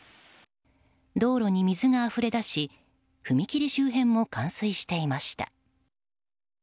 道路に水があふれ出し踏切周辺も冠水していました。